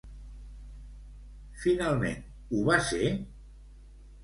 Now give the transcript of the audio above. Finalment, ho va ser?